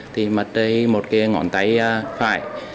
thì mặt đây một cái ngón tay phải